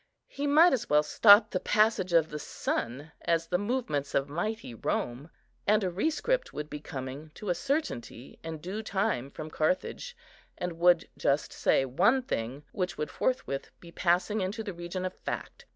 He might as well stop the passage of the sun, as the movements of mighty Rome, and a rescript would be coming to a certainty in due time from Carthage, and would just say one thing, which would forthwith be passing into the region of fact.